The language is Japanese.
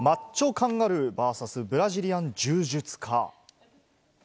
カンガルーｖｓブラジリアン柔術家。